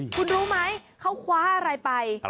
คุณรู้ไหมเขาคว้าอะไรไป